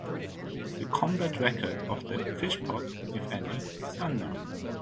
The combat record of the "Fishpot", if any, is unknown.